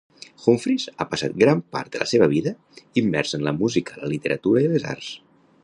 Humphries ha passat gran part de la seva vida immers en la música, la literatura i les arts.